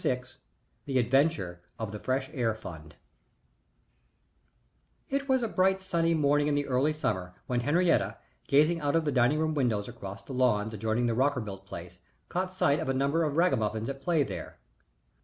VI THE ADVENTURE OF THE FRESH AIR FUND It was a bright, sunny morning in the early summer when Henriette, gazing out of the dining room windows across the lawns adjoining the Rockerbilt place, caught sight of a number of ragamuffins at play there.